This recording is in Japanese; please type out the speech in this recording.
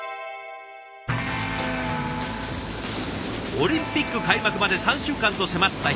オリンピック開幕まで３週間と迫った７月。